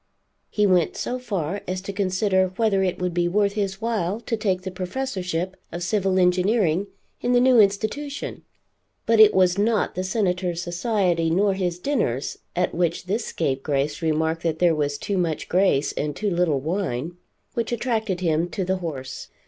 He went so far as to consider whether it would be worth his while to take the professorship of civil engineering in the new institution. But it was not the Senator's society nor his dinners at which this scapegrace remarked that there was too much grace and too little wine which attracted him to the house.